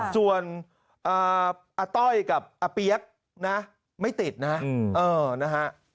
จวนอ่าต้อยกับอ่าเปี๊ยกนะไม่ติดนะเออนะฮะ